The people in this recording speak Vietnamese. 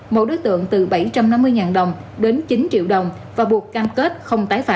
một đối tượng từ bảy trăm năm mươi đồng đến chín triệu đồng và buộc cam kết không tái phạm